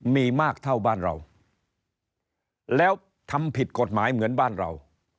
มีมากเท่าบ้านเราแล้วทำผิดกฎหมายเหมือนบ้านเรา